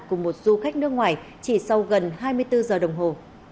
cùng một du khách nước ngoài chỉ sau gần hai mươi bốn giờ đồng hồ